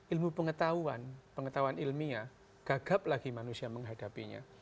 ilmu pengetahuan pengetahuan ilmiah gagap lagi manusia menghadapinya